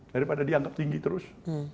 daripada dianggap tinggi terus